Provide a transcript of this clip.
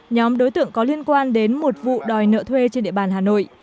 nhóm đối tượng có liên quan đến một vụ đòi nợ thuê trên địa bàn hà nội